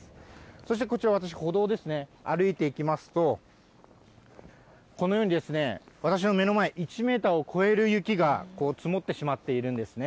そしてこちら、私、歩道をですね、歩いていきますと、このように私の目の前、１メーターを超える雪が積もってしまっているんですね。